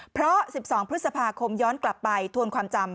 เพราะ๑๒พฤษภาคมย้อนกลับไปทวนความจำ